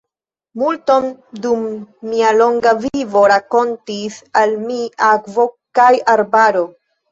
Multon dum mia longa vivo rakontis al mi akvo kaj arbaro!